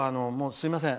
すみません。